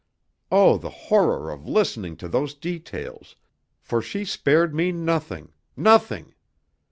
Oh, the horror of listening to those details, for she spared me nothing nothing!